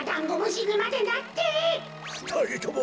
ふたりとも